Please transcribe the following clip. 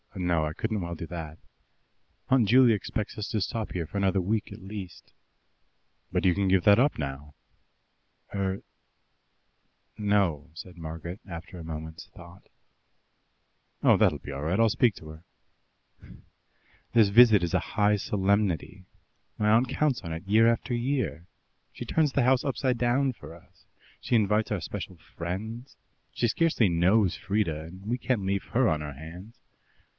No, I couldn't well do that. Aunt Juley expects us to stop here another week at least." "But you can give that up now." "Er no," said Margaret, after a moment's thought. "Oh, that'll be all right. I'll speak to her." "This visit is a high solemnity. My aunt counts on it year after year. She turns the house upside down for us; she invites our special friends she scarcely knows Frieda, and we can't leave her on her hands.